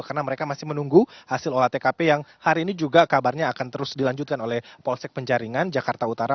karena mereka masih menunggu hasil olah tkp yang hari ini juga kabarnya akan terus dilanjutkan oleh polsek penjaringan jakarta utara